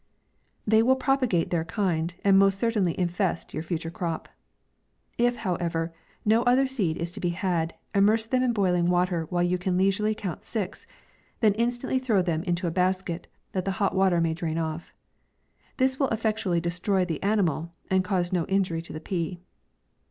They will propagate their kind, and most certainly infest your future crop. If, however, no oth er seed is to be had, immerse them in boiling water while you can leisurely count six; then instantly throw them into a basket, that the hot water may drain off. This will effectu ally destroy the animal, and cause no injury to the pea.